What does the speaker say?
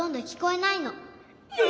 え！